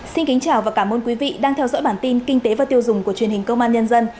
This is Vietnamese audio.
xin kính chào và cảm ơn quý vị đang theo dõi bản tin kinh tế và tiêu dùng của truyền hình công an nhân dân